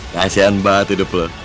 kasian banget hidup lo